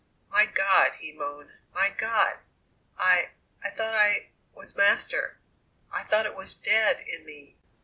"My God!" he moaned; "my God! I I thought I was master. I thought it was dead in me."